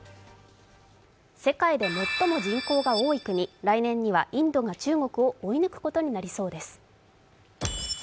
世界で最も人口が多い国、来年にはインドが中国を追い抜く予想です。